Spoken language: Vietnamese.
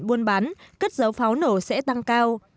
buôn bán cất dấu pháo nổ sẽ tăng cao